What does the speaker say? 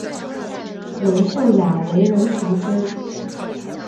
文秀雅为人熟知。